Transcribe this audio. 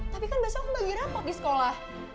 aduh tapi kan besok aku bagi rapat di sekolah